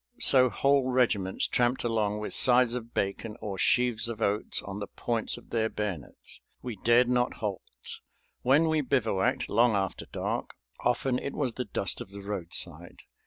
So whole regiments tramped along with sides of bacon or sheaves of oats on the points of their bayonets. We dared not halt. When we bivouacked, long after dark, often it was the dust of the roadside.